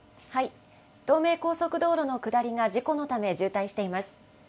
東名高速道路の下りが事故のため渋滞しています。